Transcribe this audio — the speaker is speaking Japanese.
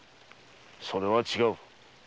それは違う。